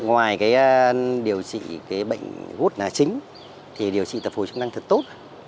ngoài điều trị bệnh gút chính điều trị tập hồi chức năng thật tốt